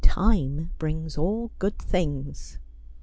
Time brings all good things.'